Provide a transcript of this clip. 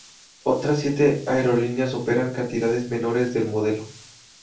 Otras siete aerolíneas operan cantidades menores del modelo.